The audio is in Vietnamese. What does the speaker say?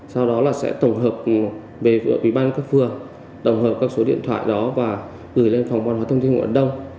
sau đó là sẽ tổng hợp về với bàn các phương tổng hợp các số điện thoại đó và gửi lên phòng văn hóa thông tin của hòa đông